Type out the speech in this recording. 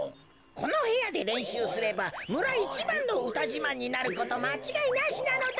このへやでれんしゅうすればむらいちばんのうたじまんになることまちがいなしなのだ。